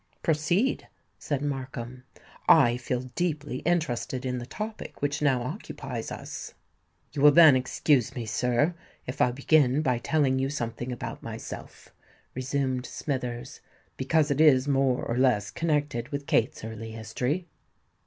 "Proceed," said Markham. "I feel deeply interested in the topic which now occupies us." "You will then excuse me, sir, if I begin by telling you something about myself," resumed Smithers; "because it is more or less connected with Kate's early history."